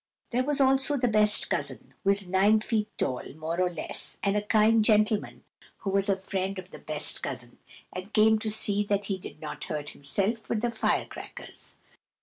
There was also the best cousin, who is nine feet tall, more or less, and a kind gentleman who was a friend of the best cousin, and came to see that he did not hurt himself with the firecrackers.